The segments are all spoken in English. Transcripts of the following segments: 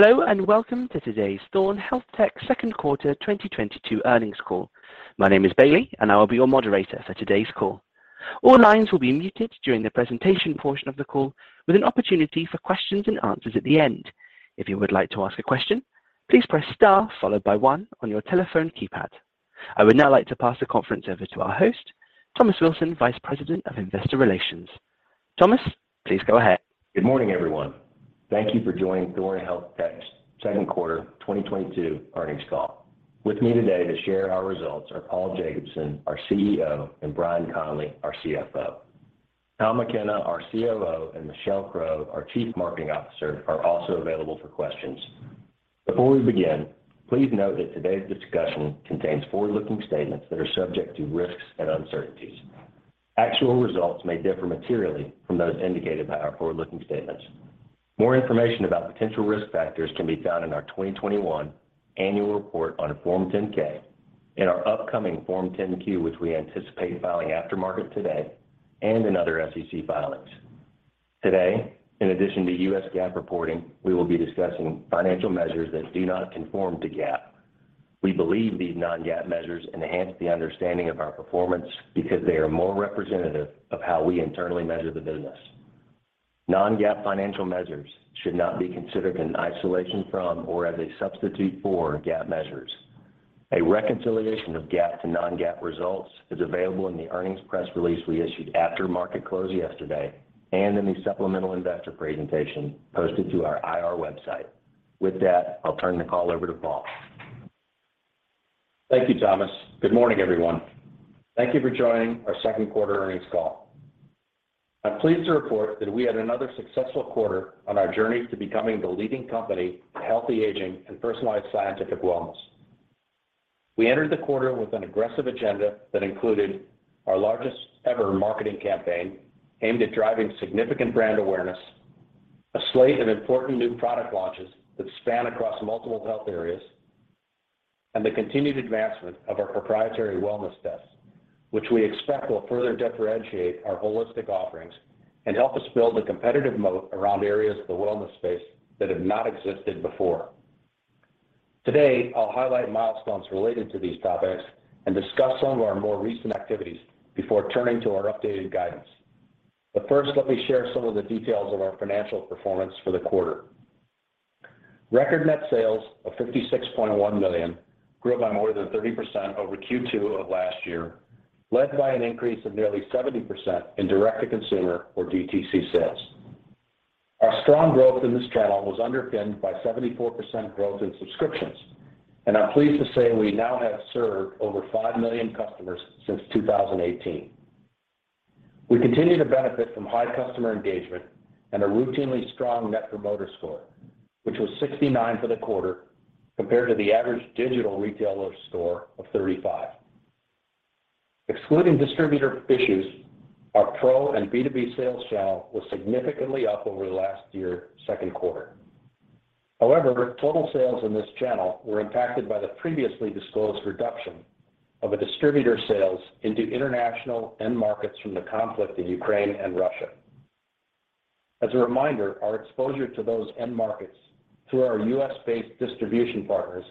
Hello and welcome to today's Thorne HealthTech second quarter 2022 earnings call. My name is Bailey, and I will be your moderator for today's call. All lines will be muted during the presentation portion of the call with an opportunity for questions and answers at the end. If you would like to ask a question, please press star followed by one on your telephone keypad. I would now like to pass the conference over to our host, Thomas Wilson, Vice President of Investor Relations. Thomas, please go ahead. Good morning, everyone. Thank you for joining Thorne HealthTech's second quarter 2022 earnings call. With me today to share our results are Paul Jacobson, our CEO, and Bryan Conley, our CFO. Tom McKenna, our COO, and Michelle Crow, our Chief Marketing Officer, are also available for questions. Before we begin, please note that today's discussion contains forward-looking statements that are subject to risks and uncertainties. Actual results may differ materially from those indicated by our forward-looking statements. More information about potential risk factors can be found in our 2021 annual report on Form 10-K, in our upcoming Form 10-Q, which we anticipate filing after market today, and in other SEC filings. Today, in addition to U.S. GAAP reporting, we will be discussing financial measures that do not conform to GAAP. We believe these non-GAAP measures enhance the understanding of our performance because they are more representative of how we internally measure the business. Non-GAAP financial measures should not be considered in isolation from or as a substitute for GAAP measures. A reconciliation of GAAP to non-GAAP results is available in the earnings press release we issued after market close yesterday and in the supplemental investor presentation posted to our IR website. With that, I'll turn the call over to Paul. Thank you, Thomas. Good morning, everyone. Thank you for joining our second quarter earnings call. I'm pleased to report that we had another successful quarter on our journey to becoming the leading company in healthy aging and personalized scientific wellness. We entered the quarter with an aggressive agenda that included our largest-ever marketing campaign aimed at driving significant brand awareness, a slate of important new product launches that span across multiple health areas, and the continued advancement of our proprietary wellness tests, which we expect will further differentiate our holistic offerings and help us build a competitive moat around areas of the wellness space that have not existed before. Today, I'll highlight milestones related to these topics and discuss some of our more recent activities before turning to our updated guidance. First, let me share some of the details of our financial performance for the quarter. Record net sales of $56.1 million grew by more than 30% over Q2 of last year, led by an increase of nearly 70% in direct-to-consumer or DTC sales. Our strong growth in this channel was underpinned by 74% growth in subscriptions, and I'm pleased to say we now have served over five million customers since 2018. We continue to benefit from high customer engagement and a routinely strong net promoter score, which was 69 for the quarter, compared to the average digital retailer score of 35. Excluding distributor issues, our pro and B2B sales channel was significantly up over last year's second quarter. However, total sales in this channel were impacted by the previously disclosed reduction of a distributor's sales into international end markets from the conflict in Ukraine and Russia. As a reminder, our exposure to those end markets through our U.S.-based distribution partners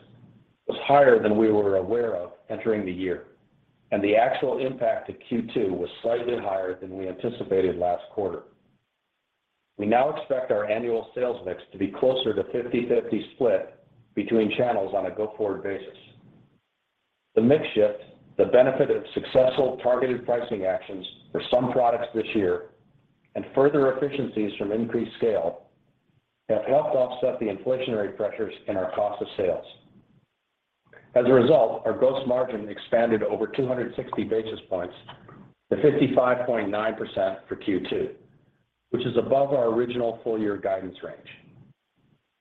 was higher than we were aware of entering the year, and the actual impact to Q2 was slightly higher than we anticipated last quarter. We now expect our annual sales mix to be closer to 50/50 split between channels on a go-forward basis. The mix shift, the benefit of successful targeted pricing actions for some products this year, and further efficiencies from increased scale have helped offset the inflationary pressures in our cost of sales. As a result, our gross margin expanded over 260 basis points to 55.9% for Q2, which is above our original full-year guidance range.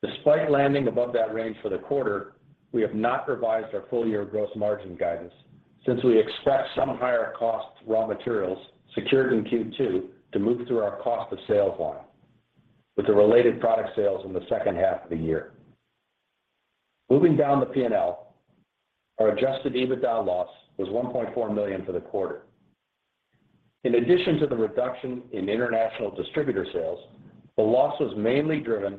Despite landing above that range for the quarter, we have not revised our full-year gross margin guidance since we expect some higher-cost raw materials secured in Q2 to move through our cost of sales line with the related product sales in the second half of the year. Moving down the P&L, our adjusted EBITDA loss was $1.4 million for the quarter. In addition to the reduction in international distributor sales, the loss was mainly driven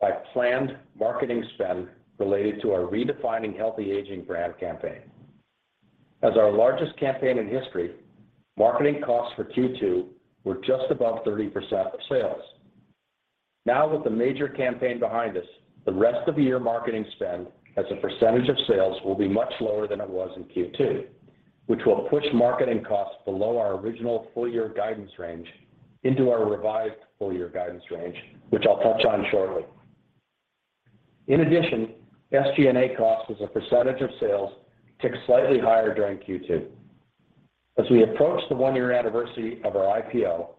by planned marketing spend related to our Redefining Healthy Aging brand campaign. As our largest campaign in history, marketing costs for Q2 were just above 30% of sales. Now with the major campaign behind us, the rest of the year marketing spend as a percentage of sales will be much lower than it was in Q2, which will push marketing costs below our original full-year guidance range into our revised full-year guidance range, which I'll touch on shortly. In addition, SG&A costs as a percentage of sales ticked slightly higher during Q2. As we approach the one-year anniversary of our IPO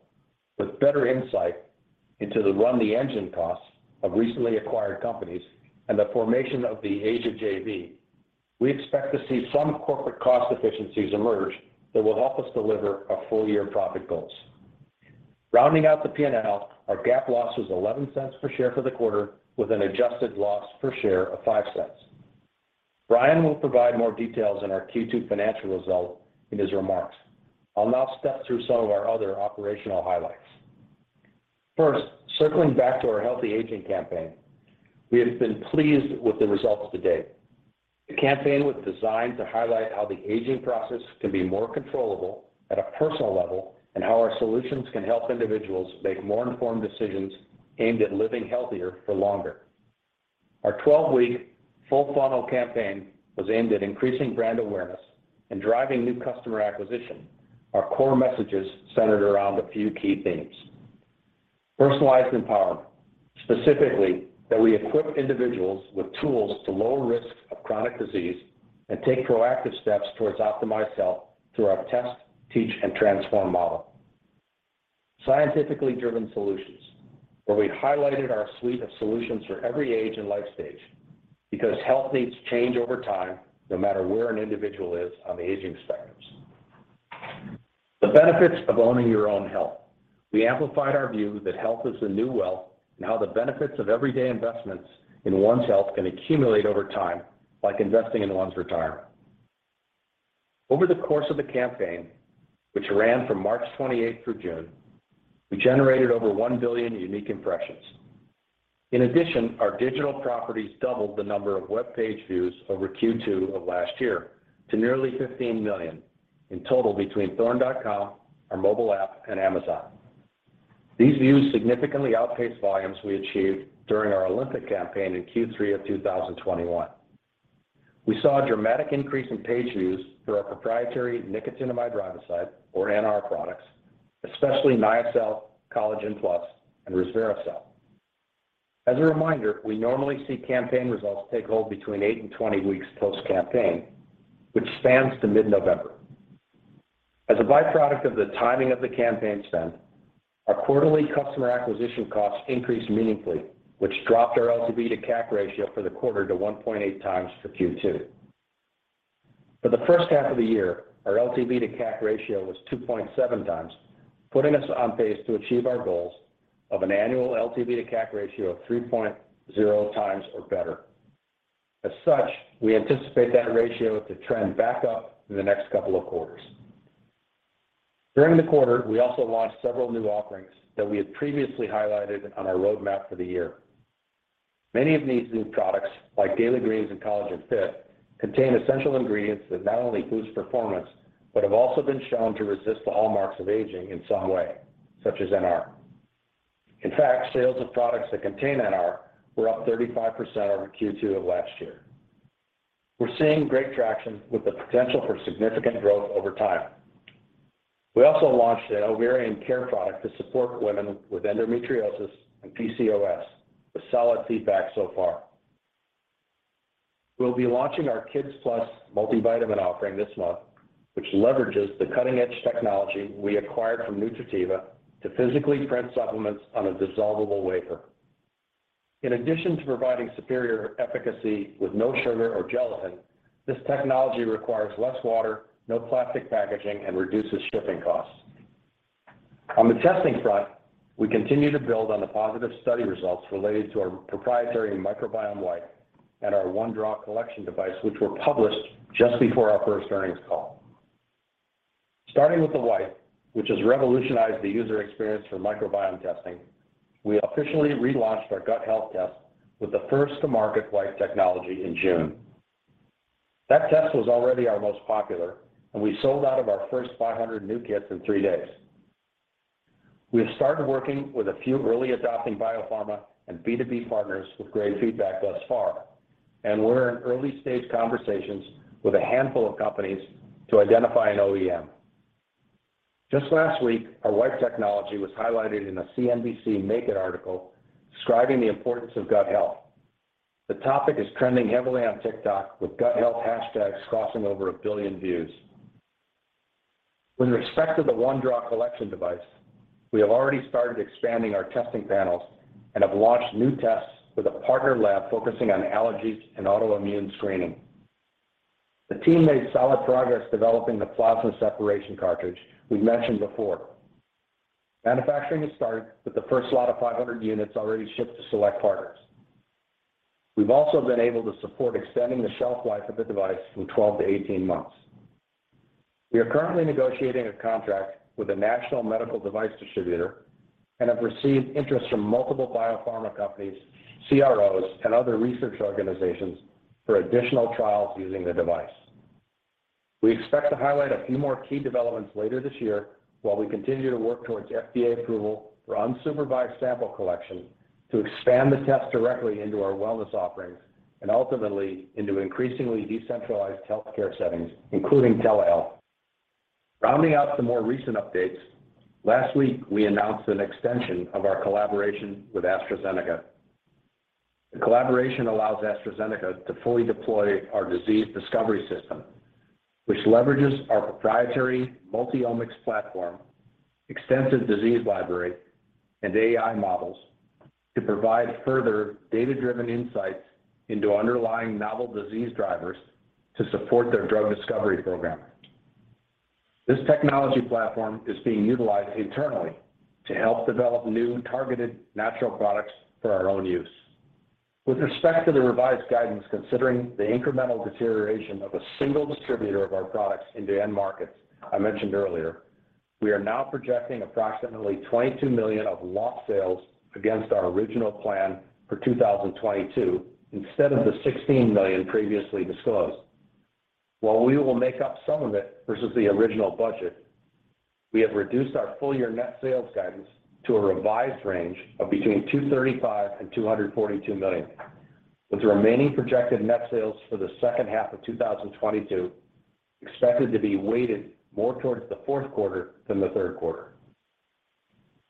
with better insight into the run-the-engine costs of recently acquired companies and the formation of the Asia JV, we expect to see some corporate cost efficiencies emerge that will help us deliver our full-year profit goals. Rounding out the P&L, our GAAP loss was $0.11 per share for the quarter with an adjusted loss per share of $0.05. Bryan will provide more details on our Q2 financial results in his remarks. I'll now step through some of our other operational highlights. First, circling back to our Healthy Aging campaign, we have been pleased with the results to date. The campaign was designed to highlight how the aging process can be more controllable at a personal level and how our solutions can help individuals make more informed decisions aimed at living healthier for longer. Our 12-week full funnel campaign was aimed at increasing brand awareness and driving new customer acquisition. Our core messages centered around a few key themes. Personalized empowerment, specifically that we equip individuals with tools to lower risks of chronic disease and take proactive steps towards optimized health through our test, teach, and transform model. Scientifically driven solutions, where we highlighted our suite of solutions for every age and life stage because health needs change over time, no matter where an individual is on the aging spectrum. The benefits of owning your own health. We amplified our view that health is the new wealth and how the benefits of everyday investments in one's health can accumulate over time, like investing in one's retirement. Over the course of the campaign, which ran from March 28 through June, we generated over one billion unique impressions. In addition, our digital properties doubled the number of web page views over Q2 of last year to nearly 15 million in total between thorne.com, our mobile app, and Amazon. These views significantly outpaced volumes we achieved during our Olympic campaign in Q3 of 2021. We saw a dramatic increase in page views through our proprietary nicotinamide riboside, or NR products, especially NiaCel, Collagen Plus, and ResveraCel. As a reminder, we normally see campaign results take hold between eight and 20 weeks post-campaign, which spans to mid-November. As a byproduct of the timing of the campaign spend, our quarterly customer acquisition costs increased meaningfully, which dropped our LTV/CAC ratio for the quarter to 1.8xfor Q2. For the first half of the year, our LTV/CAC ratio was 2.7x, putting us on pace to achieve our goals of an annual LTV/CAC ratio of 3.0x or better. As such, we anticipate that ratio to trend back up in the next couple of quarters. During the quarter, we also launched several new offerings that we had previously highlighted on our roadmap for the year. Many of these new products, like Daily Greens Plus and Collagen Fit, contain essential ingredients that not only boost performance, but have also been shown to resist the hallmarks of aging in some way, such as NR. In fact, sales of products that contain NR were up 35% over Q2 of last year. We're seeing great traction with the potential for significant growth over time. We also launched an ovarian care product to support women with endometriosis and PCOS, with solid feedback so far. We'll be launching our Kids Multi + multivitamin offering this month, which leverages the cutting-edge technology we acquired from Nutrativa to physically print supplements on a dissolvable wafer. In addition to providing superior efficacy with no sugar or gelatin, this technology requires less water, no plastic packaging, and reduces shipping costs. On the testing front, we continue to build on the positive study results related to our proprietary microbiome wipe and our OneDraw collection device, which were published just before our first earnings call. Starting with the wipe, which has revolutionized the user experience for microbiome testing, we officially relaunched our Gut Health Test with the first-to-market wipe technology in June. That test was already our most popular, and we sold out of our first 500 new kits in three days. We have started working with a few early adopting biopharma and B2B partners with great feedback thus far, and we're in early-stage conversations with a handful of companies to identify an OEM. Just last week, our wipe technology was highlighted in a CNBC Make It article describing the importance of gut health. The topic is trending heavily on TikTok, with gut health hashtags crossing over one billion views. With respect to the OneDraw collection device, we have already started expanding our testing panels and have launched new tests with a partner lab focusing on allergies and autoimmune screening. The team made solid progress developing the plasma separation cartridge we mentioned before. Manufacturing has started, with the first lot of 500 units already shipped to select partners. We've also been able to support extending the shelf life of the device from 12 to 18 months. We are currently negotiating a contract with a national medical device distributor and have received interest from multiple biopharma companies, CROs, and other research organizations for additional trials using the device. We expect to highlight a few more key developments later this year while we continue to work towards FDA approval for unsupervised sample collection to expand the test directly into our wellness offerings and ultimately into increasingly decentralized healthcare settings, including telehealth. Rounding out some more recent updates, last week we announced an extension of our collaboration with AstraZeneca. The collaboration allows AstraZeneca to fully deploy our disease discovery system, which leverages our proprietary multi-omics platform, extensive disease library, and AI models to provide further data-driven insights into underlying novel disease drivers to support their drug discovery program. This technology platform is being utilized internally to help develop new targeted natural products for our own use. With respect to the revised guidance, considering the incremental deterioration of a single distributor of our products in the end markets I mentioned earlier, we are now projecting approximately $22 million of lost sales against our original plan for 2022 instead of the $16 million previously disclosed. While we will make up some of it versus the original budget, we have reduced our full-year net sales guidance to a revised range of between $235 million and $242 million, with the remaining projected net sales for the second half of 2022 expected to be weighted more towards the fourth quarter than the third quarter.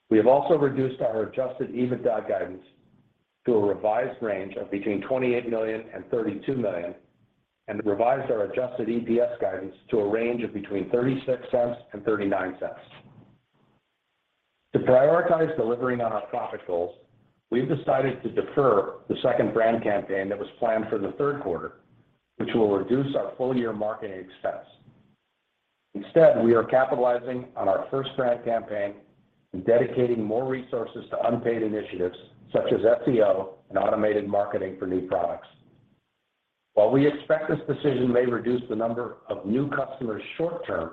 We have also reduced our adjusted EBITDA guidance to a revised range of between $28 million and $32 million, and revised our adjusted EPS guidance to a range of between $0.36 and $0.39. To prioritize delivering on our profit goals, we've decided to defer the second brand campaign that was planned for the third quarter, which will reduce our full-year marketing expense. Instead, we are capitalizing on our first brand campaign and dedicating more resources to unpaid initiatives such as SEO and automated marketing for new products. While we expect this decision may reduce the number of new customers short-term,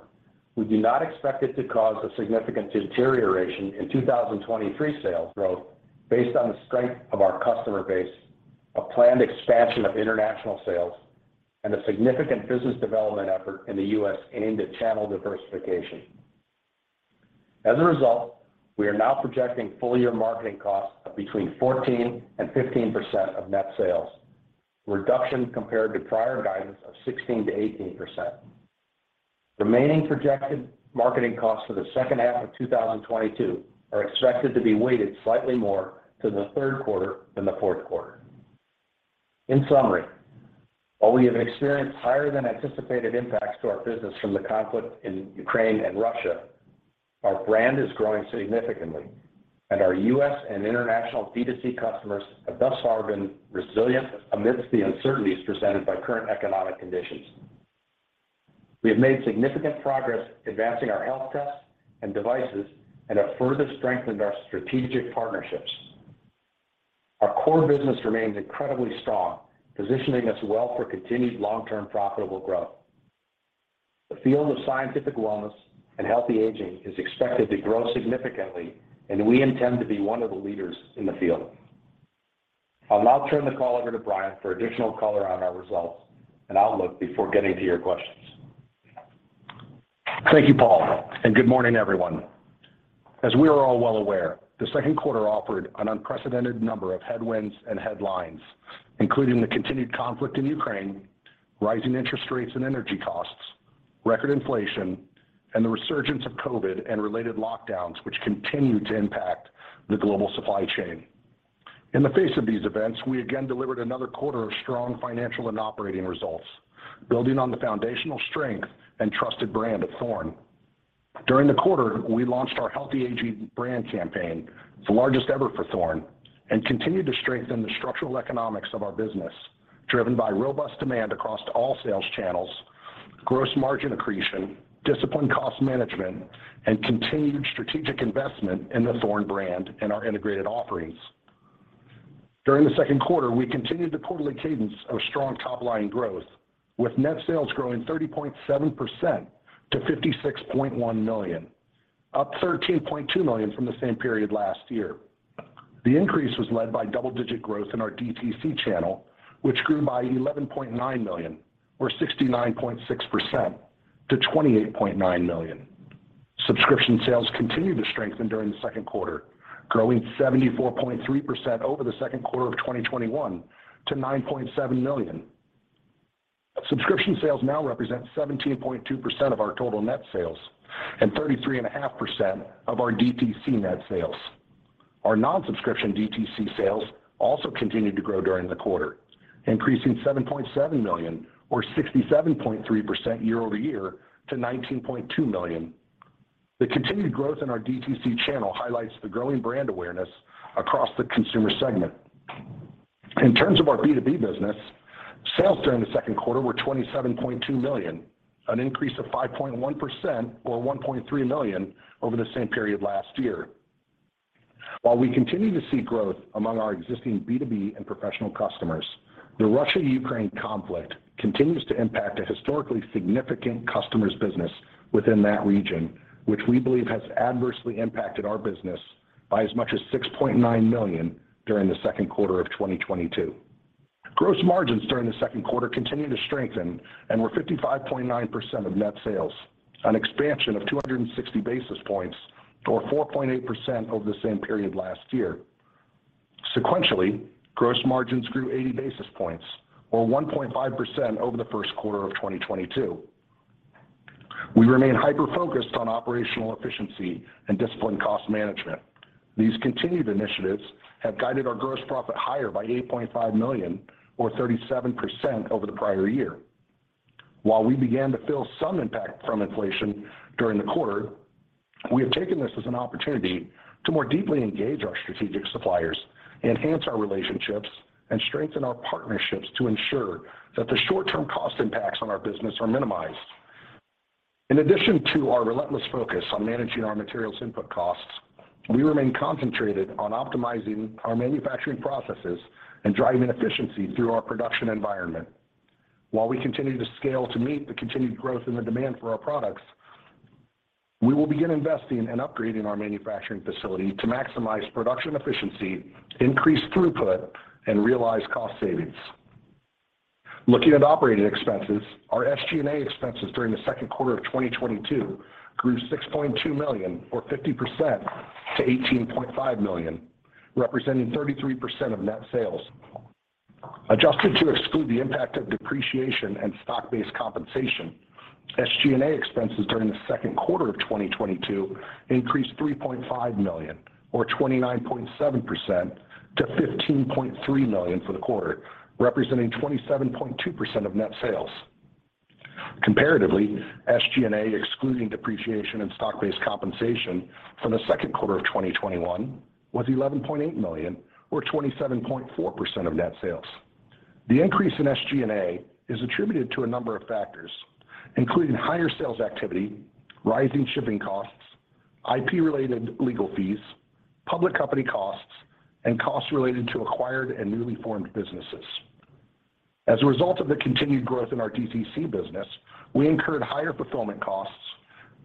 we do not expect it to cause a significant deterioration in 2023 sales growth based on the strength of our customer base, a planned expansion of international sales, and a significant business development effort in the U.S. aimed at channel diversification. As a result, we are now projecting full-year marketing costs of between 14% and 15% of net sales, a reduction compared to prior guidance of 16%-18%. Remaining projected marketing costs for the second half of 2022 are expected to be weighted slightly more to the third quarter than the fourth quarter. In summary, while we have experienced higher than anticipated impacts to our business from the conflict in Ukraine and Russia, our brand is growing significantly, and our U.S. and international B2C customers have thus far been resilient amidst the uncertainties presented by current economic conditions. We have made significant progress advancing our health tests and devices and have further strengthened our strategic partnerships. Our core business remains incredibly strong, positioning us well for continued long-term profitable growth. The field of scientific wellness and healthy aging is expected to grow significantly, and we intend to be one of the leaders in the field. I'll now turn the call over to Bryan for additional color on our results and outlook before getting to your questions. Thank you, Paul, and good morning, everyone. As we are all well aware, the second quarter offered an unprecedented number of headwinds and headlines, including the continued conflict in Ukraine, rising interest rates and energy costs, record inflation, and the resurgence of COVID and related lockdowns, which continue to impact the global supply chain. In the face of these events, we again delivered another quarter of strong financial and operating results building on the foundational strength and trusted brand of Thorne. During the quarter, we launched our Healthy Aging brand campaign, the largest ever for Thorne, and continued to strengthen the structural economics of our business, driven by robust demand across all sales channels, gross margin accretion, disciplined cost management, and continued strategic investment in the Thorne brand and our integrated offerings. During the second quarter, we continued the quarterly cadence of strong top-line growth, with net sales growing 30.7% to $56.1 million, up $13.2 million from the same period last year. The increase was led by double-digit growth in our DTC channel, which grew by $11.9 million or 69.6% to $28.9 million. Subscription sales continued to strengthen during the second quarter, growing 74.3% over the second quarter of 2021 to $9.7 million. Subscription sales now represent 17.2% of our total net sales and 33.5% of our DTC net sales. Our non-subscription DTC sales also continued to grow during the quarter, increasing $7.7 million or 67.3% year-over-year to $19.2 million. The continued growth in our DTC channel highlights the growing brand awareness across the consumer segment. In terms of our B2B business, sales during the second quarter were $27.2 million, an increase of 5.1% or $1.3 million over the same period last year. While we continue to see growth among our existing B2B and professional customers, the Russia-Ukraine conflict continues to impact a historically significant customer's business within that region, which we believe has adversely impacted our business by as much as $6.9 million during the second quarter of 2022. Gross margins during the second quarter continued to strengthen and were 55.9% of net sales, an expansion of 260 basis points or 4.8% over the same period last year. Sequentially, gross margins grew 80 basis points or 1.5% over the first quarter of 2022. We remain hyper-focused on operational efficiency and disciplined cost management. These continued initiatives have guided our gross profit higher by $8.5 million or 37% over the prior year. While we began to feel some impact from inflation during the quarter. We have taken this as an opportunity to more deeply engage our strategic suppliers, enhance our relationships, and strengthen our partnerships to ensure that the short-term cost impacts on our business are minimized. In addition to our relentless focus on managing our materials input costs, we remain concentrated on optimizing our manufacturing processes and driving efficiency through our production environment. While we continue to scale to meet the continued growth in the demand for our products, we will begin investing in upgrading our manufacturing facility to maximize production efficiency, increase throughput, and realize cost savings. Looking at operating expenses, our SG&A expenses during the second quarter of 2022 grew $6.2 million or 50% to $18.5 million, representing 33% of net sales. Adjusted to exclude the impact of depreciation and stock-based compensation, SG&A expenses during the second quarter of 2022 increased $3.5 million or 29.7% to $15.3 million for the quarter, representing 27.2% of net sales. Comparatively, SG&A, excluding depreciation and stock-based compensation for the second quarter of 2021 was $11.8 million or 27.4% of net sales. The increase in SG&A is attributed to a number of factors, including higher sales activity, rising shipping costs, IP-related legal fees, public company costs, and costs related to acquired and newly formed businesses. As a result of the continued growth in our DTC business, we incurred higher fulfillment costs,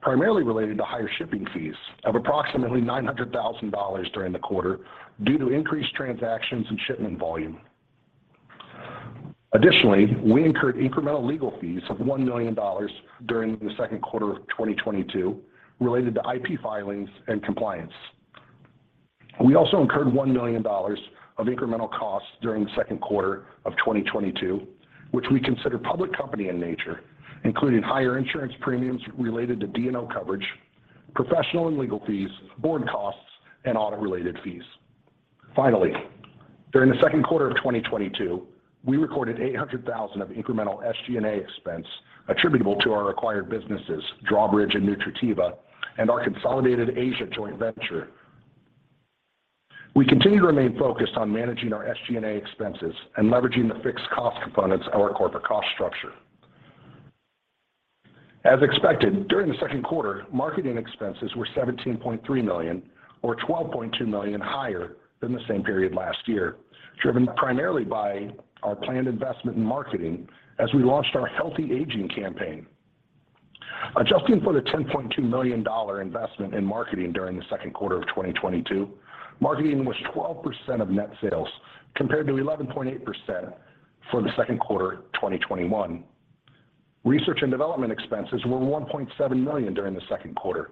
primarily related to higher shipping fees of approximately $900,000 during the quarter due to increased transactions and shipment volume. Additionally, we incurred incremental legal fees of $1 million during the second quarter of 2022 related to IP filings and compliance. We also incurred $1 million of incremental costs during the second quarter of 2022, which we consider public company in nature, including higher insurance premiums related to D&O coverage, professional and legal fees, board costs, and audit-related fees. Finally, during the second quarter of 2022, we recorded $800,000 of incremental SG&A expense attributable to our acquired businesses, Drawbridge and Nutrativa and our consolidated Asia joint venture. We continue to remain focused on managing our SG&A expenses and leveraging the fixed cost components of our corporate cost structure. As expected, during the second quarter, marketing expenses were $17.3 million or $12.2 million higher than the same period last year, driven primarily by our planned investment in marketing as we launched our Healthy Aging campaign. Adjusting for the $10.2 million investment in marketing during the second quarter of 2022, marketing was 12% of net sales compared to 11.8% for the second quarter of 2021. Research and development expenses were $1.7 million during the second quarter,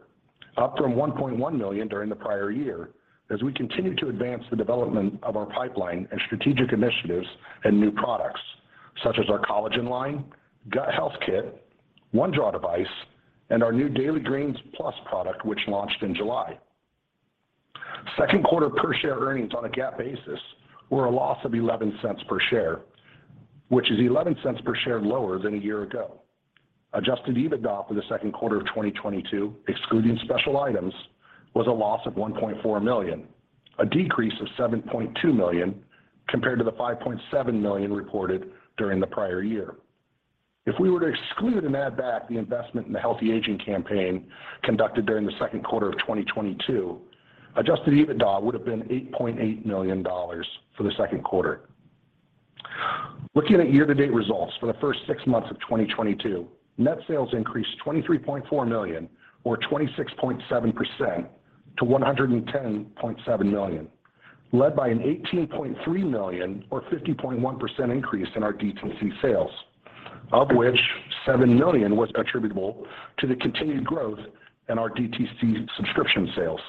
up from $1.1 million during the prior year as we continue to advance the development of our pipeline and strategic initiatives and new products such as our collagen line, Gut Health Test, OneDraw device and our new Daily Greens Plus product, which launched in July. Second quarter per share earnings on a GAAP basis were a loss of $0.11 per share, which is $0.11 per share lower than a year ago. Adjusted EBITDA for the second quarter of 2022, excluding special items, was a loss of $1.4 million, a decrease of $7.2 million compared to the $5.7 million reported during the prior year. If we were to exclude and add back the investment in the Healthy Aging campaign conducted during the second quarter of 2022, adjusted EBITDA would have been $8.8 million for the second quarter. Looking at year-to-date results for the first six months of 2022, net sales increased $23.4 million or 26.7% to $110.7 million, led by an $18.3 million or 50.1% increase in our DTC sales, of which $7 million was attributable to the continued growth in our DTC subscription sales.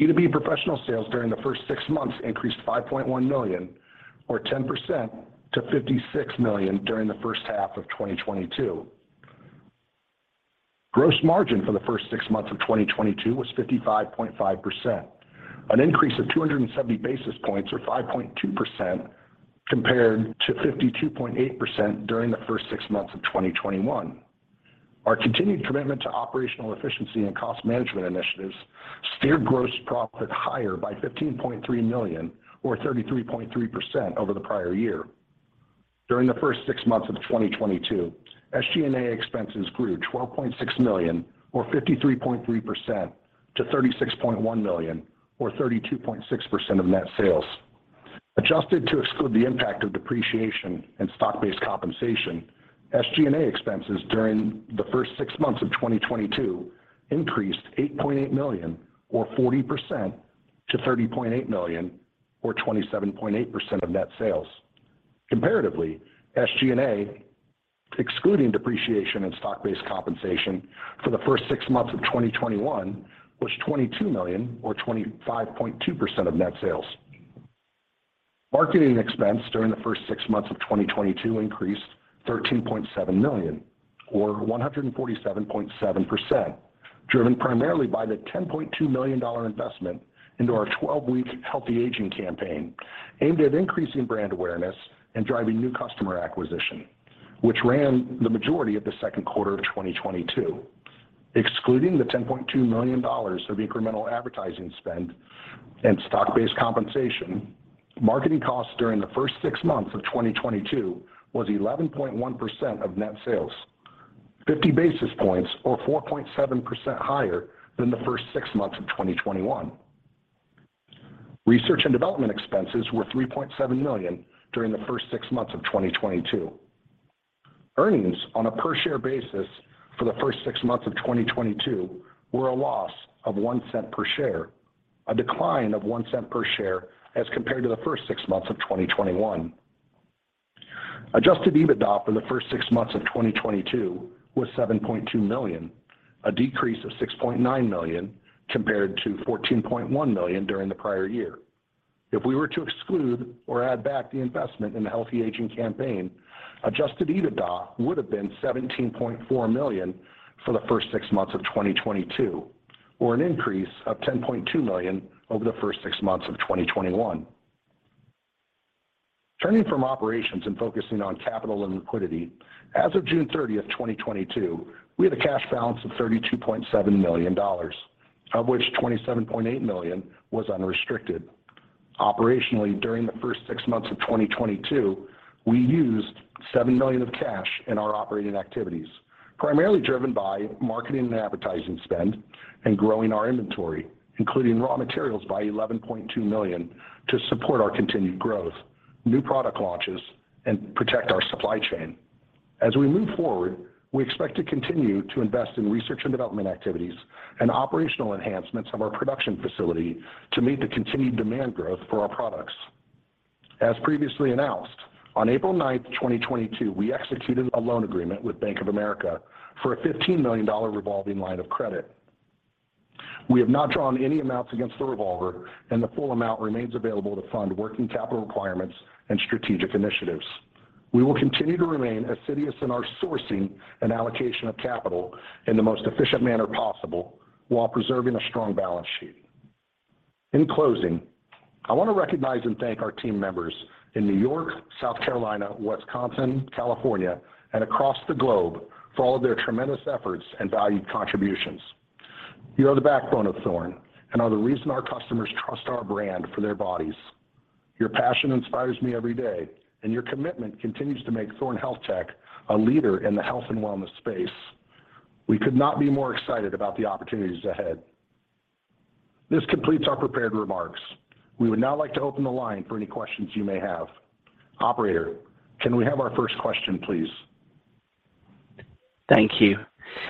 B2B professional sales during the first six months increased $5.1 million or 10% to $56 million during the first half of 2022. Gross margin for the first six months of 2022 was 55.5%, an increase of 270 basis points or 5.2% compared to 52.8% during the first six months of 2021. Our continued commitment to operational efficiency and cost management initiatives steered gross profit higher by $15.3 million or 33.3% over the prior year. During the first six months of 2022, SG&A expenses grew $12.6 million or 53.3% to $36.1 million or 32.6% of net sales. Adjusted to exclude the impact of depreciation and stock-based compensation, SG&A expenses during the first six months of 2022 increased $8.8 million or 40% to $30.8 million or 27.8% of net sales. Comparatively, SG&A, excluding depreciation and stock-based compensation for the first six months of 2021 was $22 million or 25.2% of net sales. Marketing expense during the first six months of 2022 increased $13.7 million or 147.7%, driven primarily by the $10.2 million dollar investment into our 12-week Healthy Aging campaign aimed at increasing brand awareness and driving new customer acquisition, which ran the majority of the second quarter of 2022. Excluding the $10.2 million dollars of incremental advertising spend and stock-based compensation, marketing costs during the first six months of 2022 was 11.1% of net sales, 50 basis points or 4.7% higher than the first six months of 2021. Research and development expenses were $3.7 million during the first six months of 2022. Earnings on a per share basis for the first six months of 2022 were a loss of $0.01 per share, a decline of $0.01 per share as compared to the first six months of 2021. Adjusted EBITDA for the first six months of 2022 was $7.2 million, a decrease of $6.9 million compared to $14.1 million during the prior year. If we were to exclude or add back the investment in the Healthy Aging campaign, adjusted EBITDA would have been $17.4 million for the first six months of 2022, or an increase of $10.2 million over the first six months of 2021. Turning from operations and focusing on capital and liquidity, as of June 30, 2022, we had a cash balance of $32.7 million, of which $27.8 million was unrestricted. Operationally, during the first six months of 2022, we used $7 million of cash in our operating activities, primarily driven by marketing and advertising spend and growing our inventory, including raw materials by $11.2 million to support our continued growth, new product launches, and protect our supply chain. As we move forward, we expect to continue to invest in research and development activities and operational enhancements of our production facility to meet the continued demand growth for our products. As previously announced, on April 9, 2022, we executed a loan agreement with Bank of America for a $15 million revolving line of credit. We have not drawn any amounts against the revolver, and the full amount remains available to fund working capital requirements and strategic initiatives. We will continue to remain assiduous in our sourcing and allocation of capital in the most efficient manner possible while preserving a strong balance sheet. In closing, I want to recognize and thank our team members in New York, South Carolina, Wisconsin, California, and across the globe for all of their tremendous efforts and valued contributions. You are the backbone of Thorne and are the reason our customers trust our brand for their bodies. Your passion inspires me every day, and your commitment continues to make Thorne HealthTech a leader in the health and wellness space. We could not be more excited about the opportunities ahead. This completes our prepared remarks. We would now like to open the line for any questions you may have. Operator, can we have our first question, please? Thank you.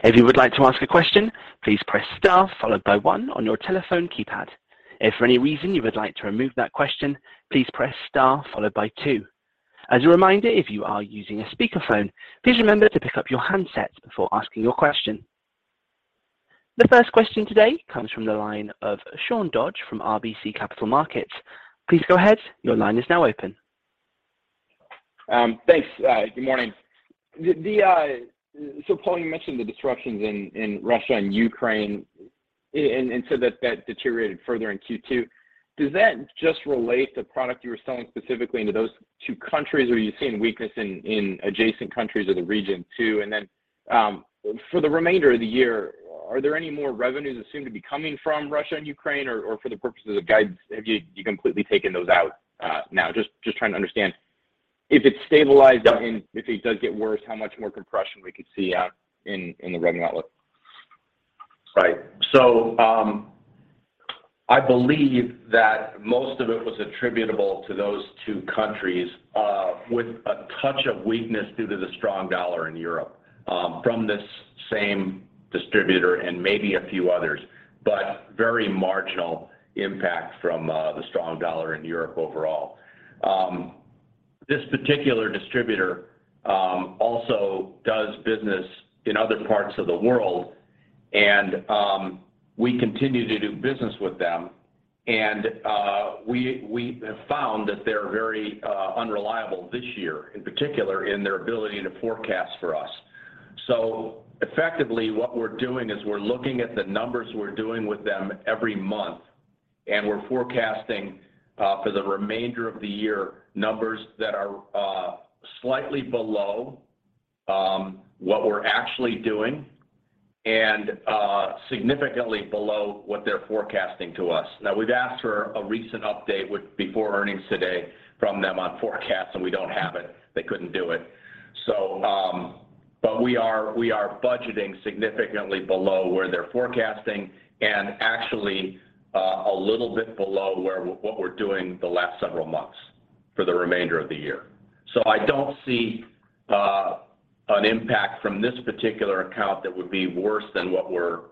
If you would like to ask a question, please press star followed by one on your telephone keypad. If for any reason you would like to remove that question, please press star followed by two. As a reminder, if you are using a speakerphone, please remember to pick up your handset before asking your question. The first question today comes from the line of Sean Dodge from RBC Capital Markets. Please go ahead. Your line is now open. Thanks. Good morning. Paul, you mentioned the disruptions in Russia and Ukraine, and that deteriorated further in Q2. Does that just relate to product you were selling specifically into those two countries, or are you seeing weakness in adjacent countries of the region too? Then, for the remainder of the year, are there any more revenues assumed to be coming from Russia and Ukraine or, for the purposes of guidance, have you completely taken those out, now? Just trying to understand if it's stabilized and if it does get worse, how much more compression we could see out in the revenue outlook. Right. I believe that most of it was attributable to those two countries, with a touch of weakness due to the strong dollar in Europe, from this same distributor and maybe a few others, but very marginal impact from the strong dollar in Europe overall. This particular distributor also does business in other parts of the world and we continue to do business with them. We have found that they're very unreliable this year, in particular in their ability to forecast for us. Effectively, what we're doing is we're looking at the numbers we're doing with them every month, and we're forecasting for the remainder of the year numbers that are slightly below what we're actually doing and significantly below what they're forecasting to us. Now, we've asked for a recent update before earnings today from them on forecasts, and we don't have it. They couldn't do it. We are budgeting significantly below where they're forecasting and actually a little bit below what we're doing the last several months for the remainder of the year. I don't see an impact from this particular account.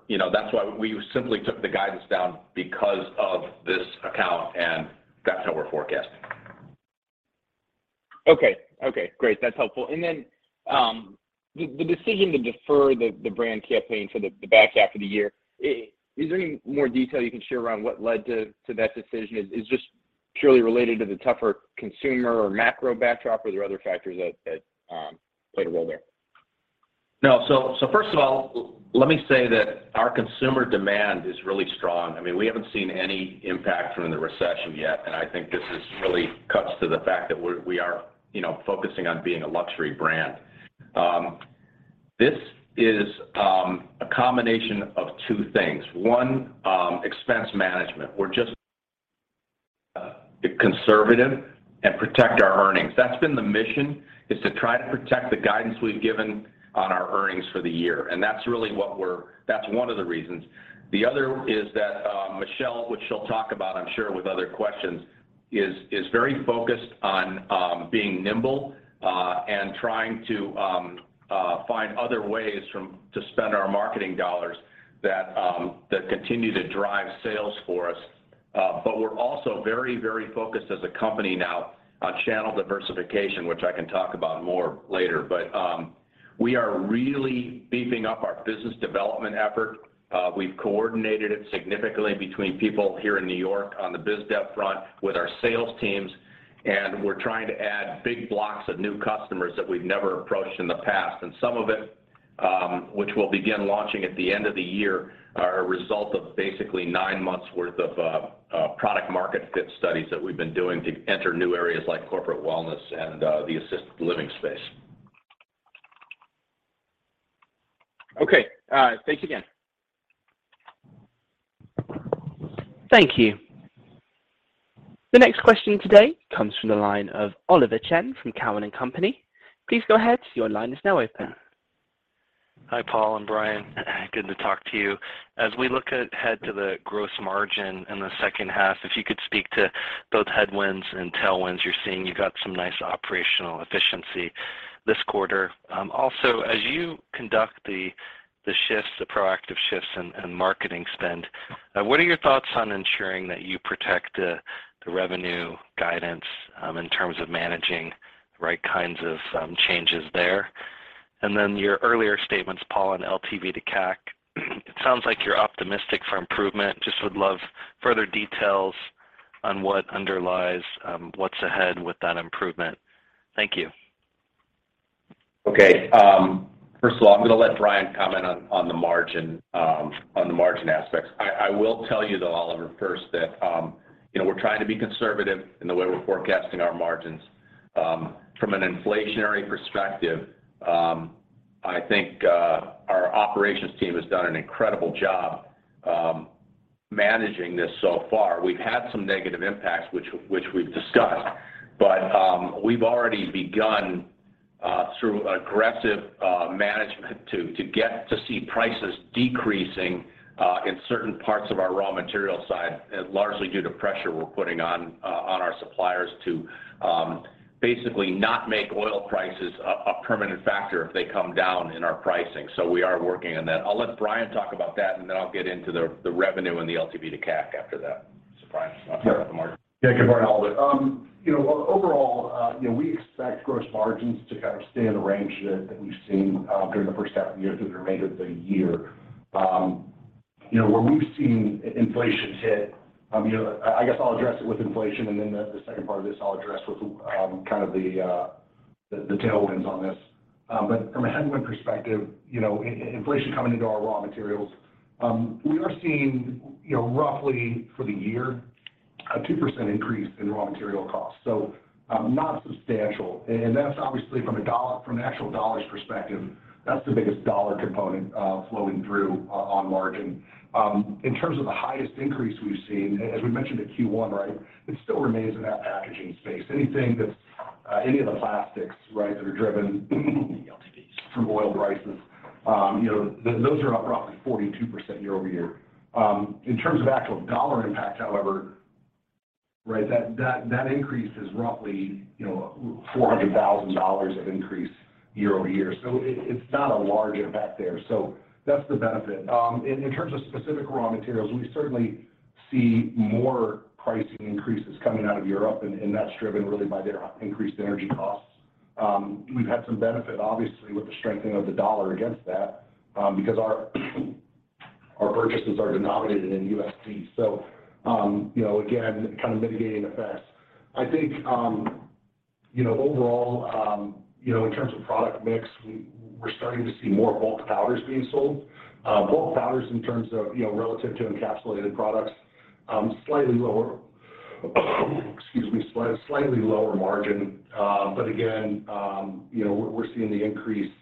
You know, that's why we simply took the guidance down because of this account, and that's how we're forecasting. Okay, great. That's helpful. The decision to defer the brand campaign to the back half of the year, is there any more detail you can share around what led to that decision? Is this purely related to the tougher consumer or macro backdrop, or there are other factors that played a role there? No. First of all, let me say that our consumer demand is really strong. I mean, we haven't seen any impact from the recession yet, and I think this really cuts to the fact that we are, you know, focusing on being a luxury brand. This is a combination of two things. One, expense management. We're just conservative and protect our earnings. That's been the mission, is to try to protect the guidance we've given on our earnings for the year, and that's really what we're. That's one of the reasons. The other is that Michelle, which she'll talk about, I'm sure, with other questions, is very focused on being nimble and trying to find other ways to spend our marketing dollars that continue to drive sales for us. We're also very, very focused as a company now on channel diversification, which I can talk about more later. We are really beefing up our business development effort. We've coordinated it significantly between people here in New York on the biz dev front with our sales teams, and we're trying to add big blocks of new customers that we've never approached in the past. Some of it, which we'll begin launching at the end of the year, are a result of basically nine months' worth of product-market fit studies that we've been doing to enter new areas like corporate wellness and the assisted living space. Okay. Thanks again. Thank you. The next question today comes from the line of Oliver Chen from Cowen and Company. Please go ahead. Your line is now open. Hi, Paul and Bryan. Good to talk to you. As we look ahead to the gross margin in the second half, if you could speak to both headwinds and tailwinds you're seeing. You got some nice operational efficiency this quarter. Also, as you conduct the proactive shifts and marketing spend, what are your thoughts on ensuring that you protect the revenue guidance in terms of managing the right kinds of changes there? Your earlier statements, Paul, on LTV/CAC. It sounds like you're optimistic for improvement. Just would love further details on what underlies what's ahead with that improvement. Thank you. Okay. First of all, I'm gonna let Bryan comment on the margin aspects. I will tell you though, Oliver, first that you know, we're trying to be conservative in the way we're forecasting our margins. From an inflationary perspective, I think our operations team has done an incredible job managing this so far. We've had some negative impacts, which we've discussed, but we've already begun through aggressive management to get to see prices decreasing in certain parts of our raw material side, largely due to pressure we're putting on our suppliers to basically not make oil prices a permanent factor if they come down in our pricing. We are working on that. I'll let Bryan talk about that, and then I'll get into the revenue LTV/CAC after that. Bryan, why don't you talk about the margin? Yeah. Good morning, Oliver. You know, overall, we expect gross margins to kind of stay in the range that we've seen during the first half of the year through the remainder of the year. You know, where we've seen inflation hit, you know, I guess I'll address it with inflation, and then the second part of this I'll address with kind of the tailwinds on this. But from a headwind perspective, you know, inflation coming into our raw materials, we are seeing, you know, roughly for the year, a 2% increase in raw material costs. So, not substantial, and that's obviously from an actual dollars perspective, that's the biggest dollar component flowing through on margin. In terms of the highest increase we've seen, as we mentioned at Q1, right? It still remains in that packaging space. Anything that's any of the plastics, right, that are driven from oil prices, you know, those are up roughly 42% year-over-year. In terms of actual dollar impact, however, right? That increase is roughly, you know, $400,000 of increase year-over-year. It's not a large impact there. That's the benefit. In terms of specific raw materials, we certainly see more pricing increases coming out of Europe and that's driven really by their increased energy costs. We've had some benefit, obviously, with the strengthening of the dollar against that, because our purchases are denominated in USD. You know, again, kind of mitigating effects. I think, you know, overall, you know, in terms of product mix, we're starting to see more bulk powders being sold. Bulk powders in terms of, you know, relative to encapsulated products, slightly lower, excuse me, slightly lower margin. Again, you know, we're seeing the increase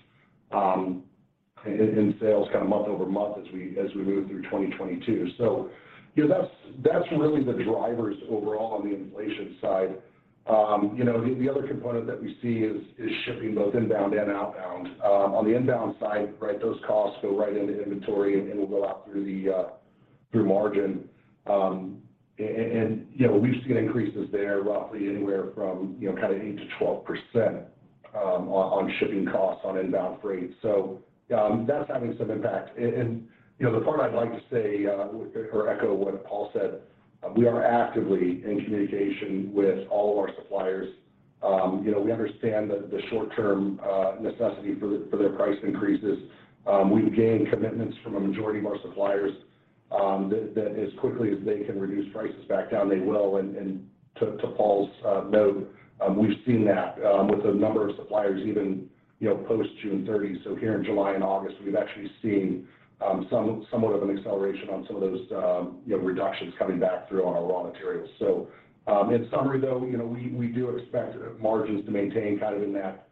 in sales kind of month-over-month as we move through 2022. You know, that's really the drivers overall on the inflation side. You know, the other component that we see is shipping both inbound and outbound. On the inbound side, right, those costs go right into inventory and will go out through the margin. And, you know, we've seen increases there roughly anywhere from, you know, kind of 8%-12% on shipping costs on inbound freight. That's having some impact. You know, the part I'd like to say, or echo what Paul said, we are actively in communication with all of our suppliers. You know, we understand the short-term necessity for their price increases. We've gained commitments from a majority of our suppliers that as quickly as they can reduce prices back down, they will. To Paul's note, we've seen that with a number of suppliers even, you know, post June 30. Here in July and August, we've actually seen somewhat of an acceleration on some of those, you know, reductions coming back through on our raw materials. In summary though, you know, we do expect margins to maintain kind of in that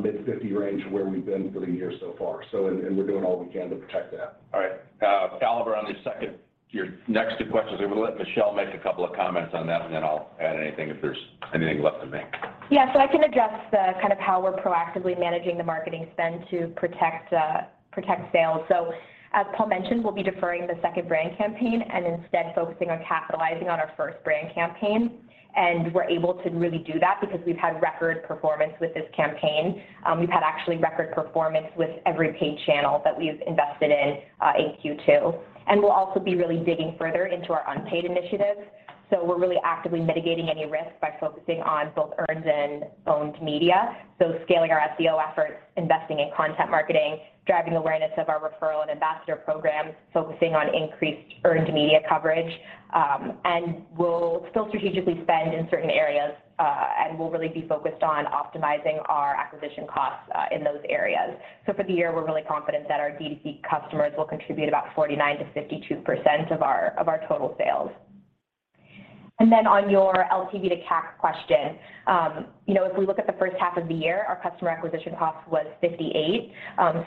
mid-50% range where we've been for the year so far, and we're doing all we can to protect that. All right. Oliver on the second. Your next two questions, we'll let Michelle make a couple of comments on that, and then I'll add anything if there's anything left to make. I can address the kind of how we're proactively managing the marketing spend to protect sales. As Paul mentioned, we'll be deferring the second brand campaign and instead focusing on capitalizing on our first brand campaign. We're able to really do that because we've had record performance with this campaign. We've had actually record performance with every paid channel that we've invested in in Q2. We'll also be really digging further into our unpaid initiatives. We're really actively mitigating any risk by focusing on both earned and owned media. Scaling our SEO efforts, investing in content marketing, driving awareness of our referral and ambassador programs, focusing on increased earned media coverage. We'll still strategically spend in certain areas, and we'll really be focused on optimizing our acquisition costs in those areas. For the year, we're really confident that our D2C customers will contribute about 49%-52% of our total sales. On your LTV/CAC question, you know, if we look at the first half of the year, our customer acquisition cost was $58.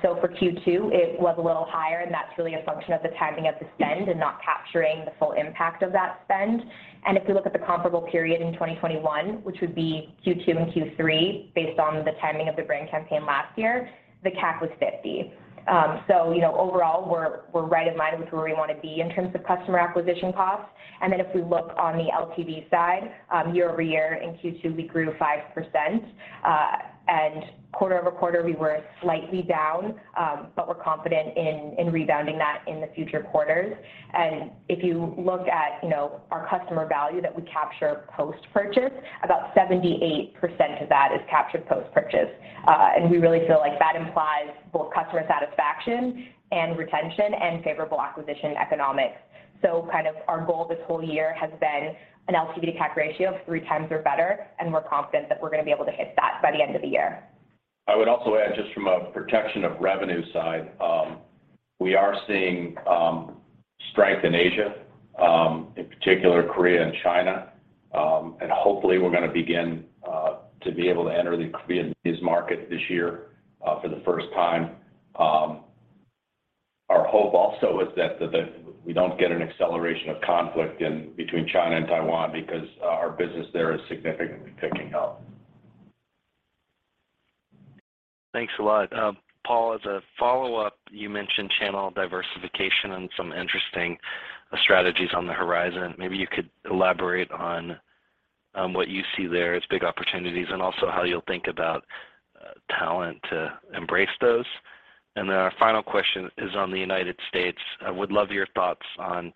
For Q2, it was a little higher, and that's really a function of the timing of the spend and not capturing the full impact of that spend. If you look at the comparable period in 2021, which would be Q2 and Q3 based on the timing of the brand campaign last year, the CAC was $50. You know, overall, we're right in line with where we wanna be in terms of customer acquisition costs. If we look on the LTV side, year-over-year in Q2, we grew 5%. Quarter-over-quarter, we were slightly down, but we're confident in rebounding that in the future quarters. If you look at, you know, our customer value that we capture post-purchase, about 78% of that is captured post-purchase. We really feel like that implies both customer satisfaction and retention and favorable acquisition economics. Kind of our goal this whole year has LTV/CAC ratio of 3x or better, and we're confident that we're gonna be able to hit that by the end of the year. I would also add just from a protection of revenue side, we are seeing strength in Asia, in particular Korea and China. Hopefully we're gonna begin to be able to enter the Korean business market this year, for the first time. Our hope also is that we don't get an acceleration of conflict in between China and Taiwan because our business there is significantly picking up. Thanks a lot. Paul, as a follow-up, you mentioned channel diversification and some interesting strategies on the horizon. Maybe you could elaborate on what you see there as big opportunities and also how you'll think about talent to embrace those. Our final question is on the United States. I would love your thoughts on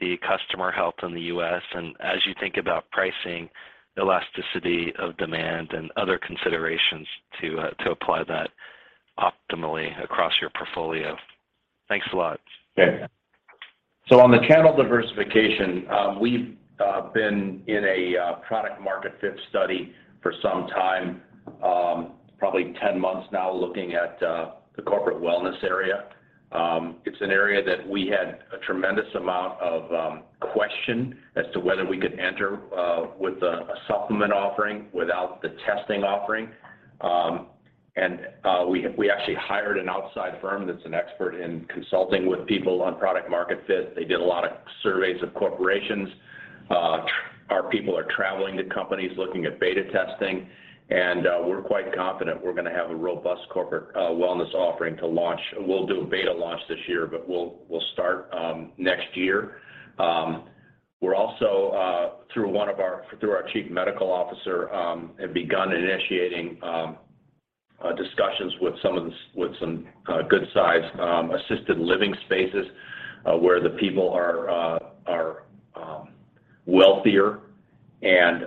the customer health in the U.S., and as you think about pricing, elasticity of demand, and other considerations to apply that optimally across your portfolio. Thanks a lot. Yeah. On the channel diversification, we've been in a product market fit study for some time, probably 10 months now looking at the corporate wellness area. It's an area that we had a tremendous amount of question as to whether we could enter with a supplement offering without the testing offering. We actually hired an outside firm that's an expert in consulting with people on product market fit. They did a lot of surveys of corporations. Our people are traveling to companies looking at beta testing, and we're quite confident we're gonna have a robust corporate wellness offering to launch. We'll do a beta launch this year, but we'll start next year. We're also through one of our, through our Chief Medical Officer, have begun initiating discussions with some of the good-sized assisted living spaces, where the people are wealthier and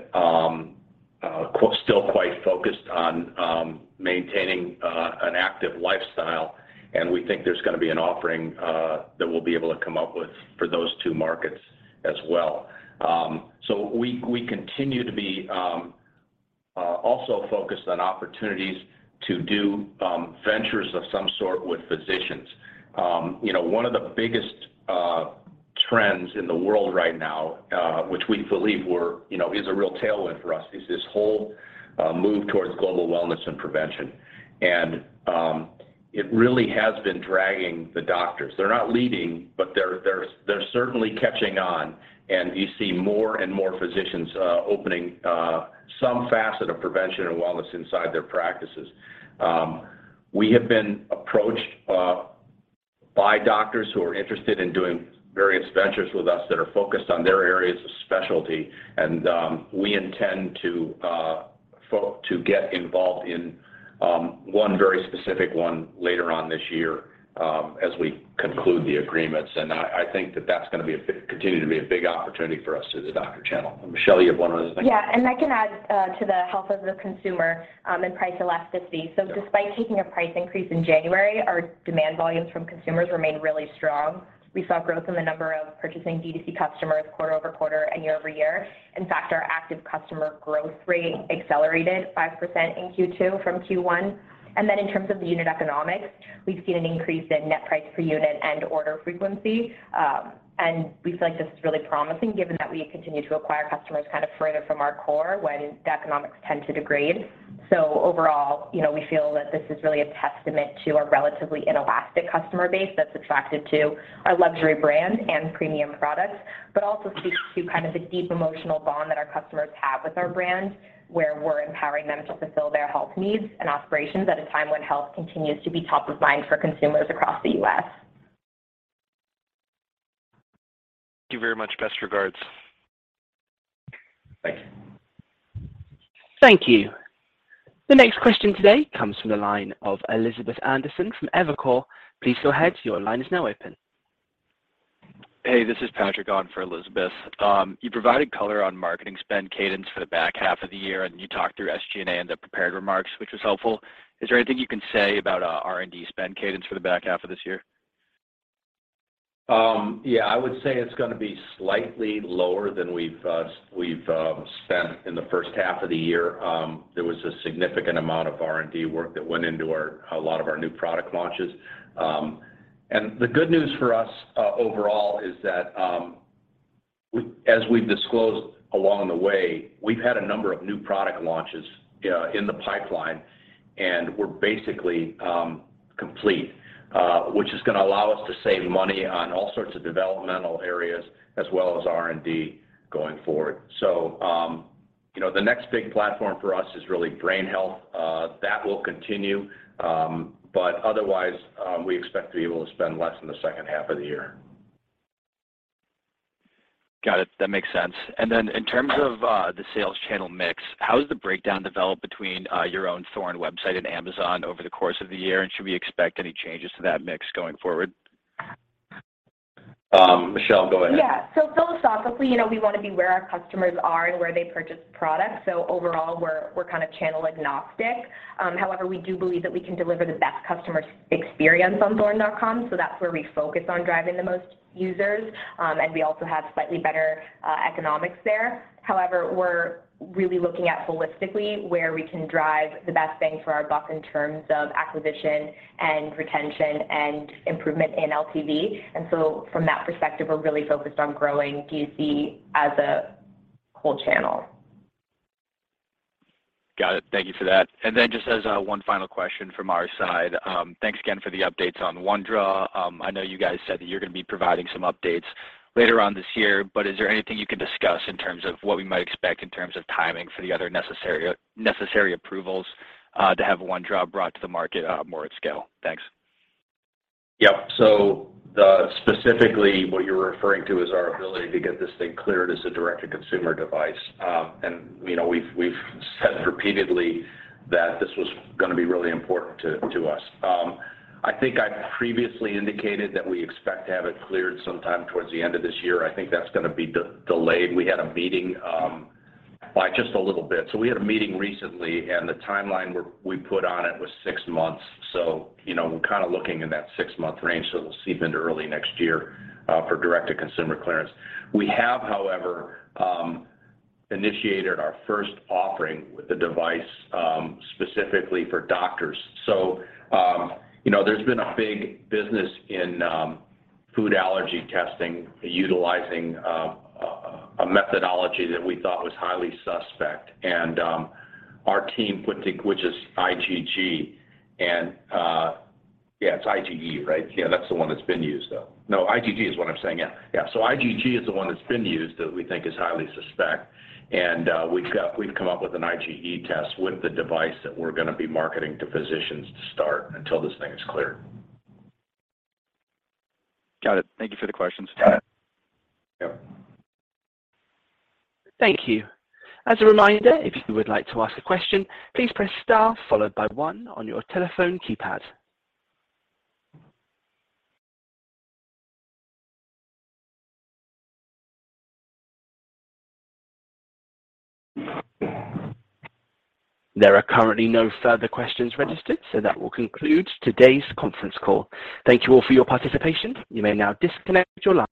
still quite focused on maintaining an active lifestyle. We think there's gonna be an offering that we'll be able to come up with for those two markets as well. We continue to be also focused on opportunities to do ventures of some sort with physicians. You know, one of the biggest trends in the world right now, which we believe we're, you know, is a real tailwind for us, is this whole move towards global wellness and prevention. It really has been drawing the doctors. They're not leading, but they're certainly catching on, and you see more and more physicians opening some facet of prevention and wellness inside their practices. We have been approached by doctors who are interested in doing various ventures with us that are focused on their areas of specialty, and we intend to get involved in one very specific one later on this year, as we conclude the agreements. I think that's gonna continue to be a big opportunity for us through the doctor channel. Michelle, you have one other thing? Yeah. I can add to the health of the consumer, and price elasticity. Despite taking a price increase in January, our demand volumes from consumers remained really strong. We saw growth in the number of purchasing D2C customers quarter over quarter and year over year. In fact, our active customer growth rate accelerated 5% in Q2 from Q1. In terms of the unit economics, we've seen an increase in net price per unit and order frequency. We feel like this is really promising given that we continue to acquire customers kind of further from our core when the economics tend to degrade. Overall, you know, we feel that this is really a testament to our relatively inelastic customer base that's attracted to our luxury brand and premium products, but also speaks to kind of the deep emotional bond that our customers have with our brand, where we're empowering them to fulfill their health needs and aspirations at a time when health continues to be top of mind for consumers across the U.S. Thank you very much. Best regards. Thanks. Thank you. The next question today comes from the line of Elizabeth Anderson from Evercore. Please go ahead. Your line is now open. Hey, this is Patrick on for Elizabeth. You provided color on marketing spend cadence for the back half of the year, and you talked through SG&A in the prepared remarks, which was helpful. Is there anything you can say about R&D spend cadence for the back half of this year? Yeah, I would say it's gonna be slightly lower than we've spent in the first half of the year. There was a significant amount of R&D work that went into a lot of our new product launches. The good news for us overall is that as we've disclosed along the way, we've had a number of new product launches in the pipeline, and we're basically complete, which is gonna allow us to save money on all sorts of developmental areas as well as R&D going forward. You know, the next big platform for us is really brain health. That will continue. Otherwise, we expect to be able to spend less in the second half of the year. Got it. That makes sense. In terms of the sales channel mix, how has the breakdown developed between your own Thorne website and Amazon over the course of the year, and should we expect any changes to that mix going forward? Michelle, go ahead. Yeah. Philosophically, you know, we wanna be where our customers are and where they purchase products. Overall, we're kind of channel agnostic. However, we do believe that we can deliver the best customer experience on thorne.com, so that's where we focus on driving the most users. And we also have slightly better economics there. However, we're really looking at holistically where we can drive the best bang for our buck in terms of acquisition and retention and improvement in LTV. From that perspective, we're really focused on growing D2C as a whole channel. Got it. Thank you for that. Then just as one final question from our side, thanks again for the updates on OneDraw. I know you guys said that you're gonna be providing some updates later on this year, but is there anything you can discuss in terms of what we might expect in terms of timing for the other necessary approvals to have OneDraw brought to the market more at scale? Thanks. Specifically, what you're referring to is our ability to get this thing cleared as a direct-to-consumer device. You know, we've said repeatedly that this was gonna be really important to us. I think I previously indicated that we expect to have it cleared sometime towards the end of this year. I think that's gonna be delayed by just a little bit. We had a meeting recently, and the timeline we put on it was six months. You know, we're kind of looking in that six-month range, so we'll slip into early next year for direct-to-consumer clearance. We have, however, initiated our first offering with the device, specifically for doctors. You know, there's been a big business in food allergy testing utilizing a methodology that we thought was highly suspect. Yeah, it's IgE, right? Yeah, that's the one that's been used though. No, IgG is what I'm saying. Yeah. Yeah. IgG is the one that's been used that we think is highly suspect, and we've come up with an IgE test with the device that we're gonna be marketing to physicians to start until this thing is cleared. Got it. Thank you for the questions. Yeah. Thank you. As a reminder, if you would like to ask a question, please press star followed by one on your telephone keypad. There are currently no further questions registered, so that will conclude today's conference call. Thank you all for your participation. You may now disconnect your line.